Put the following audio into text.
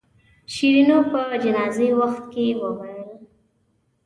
شیرینو په جنازې وخت کې وویل.